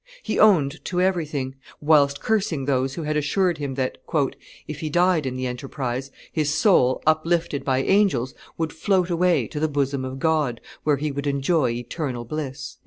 He owned to everything, whilst cursing those who had assured him that "if he died in the enterprise, his soul, uplifted by angels, would float away to the bosom of God, where he would enjoy eternal bliss."